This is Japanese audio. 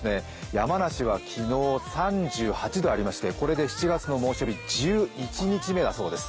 山梨は昨日３８度ありまして、これで７月の猛暑日１１日目だそうです。